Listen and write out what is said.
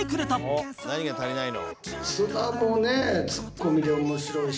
「おっ何が足りないの？」